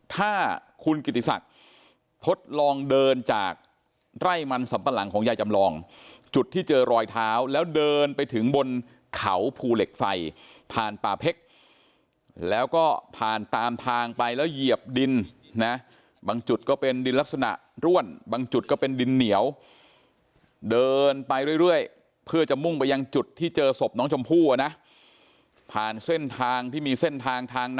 ถ้าคุณกิติศักดิ์ทดลองเดินจากไร่มันสัมปะหลังของยายจำลองจุดที่เจอรอยเท้าแล้วเดินไปถึงบนเขาภูเหล็กไฟผ่านป่าเพชรแล้วก็ผ่านตามทางไปแล้วเหยียบดินนะบางจุดก็เป็นดินลักษณะร่วนบางจุดก็เป็นดินเหนียวเดินไปเรื่อยเพื่อจะมุ่งไปยังจุดที่เจอศพน้องชมพู่อ่ะนะผ่านเส้นทางที่มีเส้นทางทาง